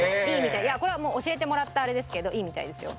これは教えてもらったあれですけどいいみたいですよ。